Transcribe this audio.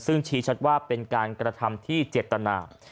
ซึ่งชี้ชัดว่าเป็นการกระทำที่เจตนา